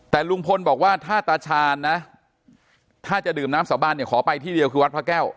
แต่ลุงพลบอกว่าถ้าตาชาญนะถ้าจะดื่มน้ำสาบานเนี่ยขอไปที่เดียวคือวัดพระแก้ว